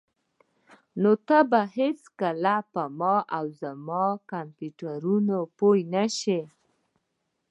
نو ته به هیڅکله په ما او زما کمپیوټرونو پوه نشې